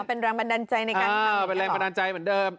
เป็นแรงบันดาลใจในการทำเป็นแรงบันดาลใจเหมือนเดิม